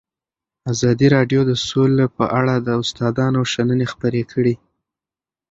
ازادي راډیو د سوله په اړه د استادانو شننې خپرې کړي.